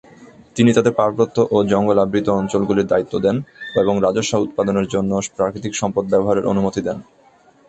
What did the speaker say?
তিনি তাদের পার্বত্য এবং জঙ্গল আবৃত অঞ্চল গুলির দায়িত্ব দেন এবং রাজস্ব উৎপাদনের জন্য প্রাকৃতিক সম্পদ ব্যবহারের অনুমতি দেন।